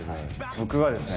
僕はですね